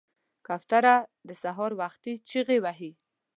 کوتره د سهار وختي چغې وهي.